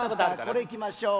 これいきましょう。